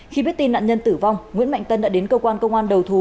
khi biết tin nạn nhân tử vong nguyễn mạnh tân đã đến cơ quan công an đầu thú